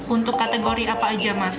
untuk kategori apa aja mas